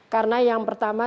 karena yang pertama